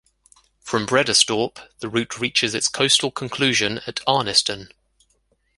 From Bredasdorp, the route reaches its coastal conclusion at Arniston.